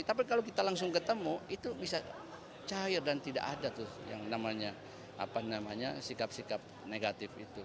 tapi kalau kita langsung ketemu itu bisa cair dan tidak ada tuh yang namanya sikap sikap negatif itu